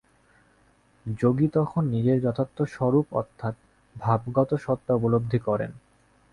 যোগী তখন নিজের যথার্থ স্বরূপ অর্থাৎ ভাগবত সত্তা উপলব্ধি করেন।